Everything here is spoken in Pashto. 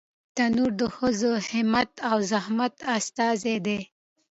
تنور د ښځو همت او زحمت استازی دی